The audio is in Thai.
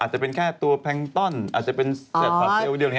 อาจจะเป็นแค่ตัวแพลงตอนอาจจะเป็นอ๋ออันนี้ก็โอเค